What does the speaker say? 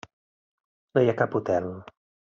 No hi ha cap hotel.